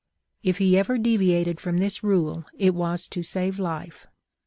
If he ever deviated from this rule, it was to save life.